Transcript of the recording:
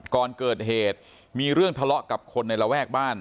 ก่อนเกิดเหตุมีเรื่องทะเลาะกับคนในระแวกบ้าน